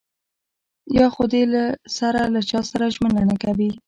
يا خو دې له سره له چاسره ژمنه نه کوي.